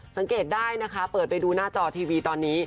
สังเกตได้นะคะเปิดไปดูหน้าจอทีวีตอนนี้